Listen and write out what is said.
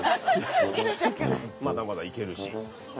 まだまだ行けるし。